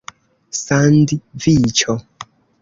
sandviĉo